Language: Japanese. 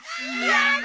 やった。